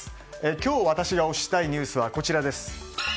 今日私が推したいニュースはこちらです。